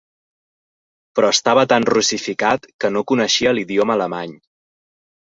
Però estava tan russificat, que no coneixia l'idioma alemany.